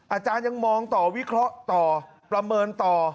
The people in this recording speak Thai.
อาจารย์ยังมองต่อวิเคราะห์ต่อประเมินต่อ